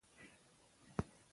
زه له بې عدالتیو سره مبارزه کوم.